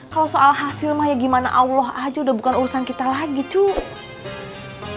kalau soal hasil mah ya gimana allah aja udah bukan urusan kita lagi cu